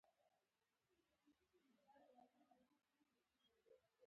ولې ځینې کورنۍ د غم په ټغر کېنول شوې دي؟